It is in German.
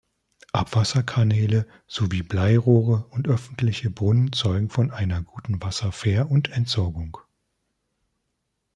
Abwasserkanäle sowie Bleirohre und öffentliche Brunnen zeugen von einer guten Wasserver- und -entsorgung.